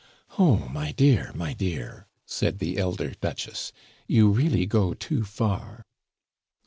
"Oh! my dear, my dear!" said the elder Duchess, "you really go too far."